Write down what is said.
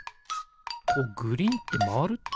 こうグリンってまわるってこと？